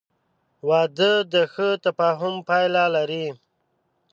• واده د ښه تفاهم پایله لري.